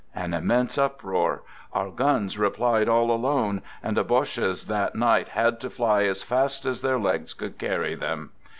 An immense uproar! Our guns re plied all alone, and the Bodies that night had to fly : as fast as their legs could carry them.